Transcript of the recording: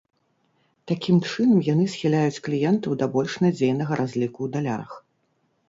Такім чынам яны схіляюць кліентаў да больш надзейнага разліку ў далярах.